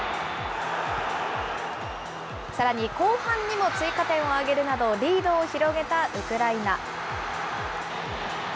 さらに後半にも追加点を挙げるなど、リードを広げたウクライナ。